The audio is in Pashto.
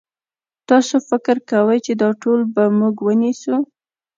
تاسو فکر کوئ چې دا ټول به موږ ونیسو؟